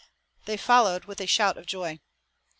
They followed with a shout of joy.